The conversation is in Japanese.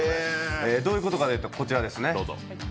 どういうことかというと、こちらですね。